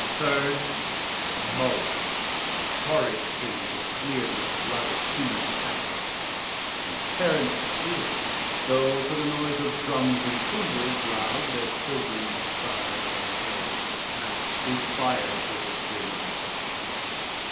First Moloch, horrid King besmear'd with blood Of human sacrifice, and parents tears, Though for the noyse of Drums and Timbrels loud Their childrens cries unheard, that past through fire To his grim Idol.